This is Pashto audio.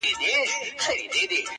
څوك به وژاړي سلګۍ د يتيمانو!!